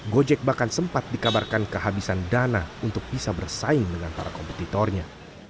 gojek bahkan sempat dikabarkan kehabisan dana untuk bisa bersaing dengan para kompetitornya